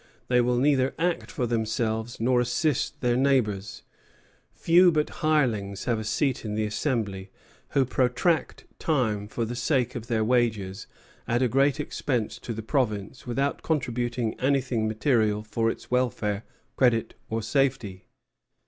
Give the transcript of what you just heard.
They will neither act for themselves nor assist their neighbors.... Few but hirelings have a seat in the Assembly, who protract time for the sake of their wages, at a great expence to the Province, without contributing anything material for its welfare, credit, or safety."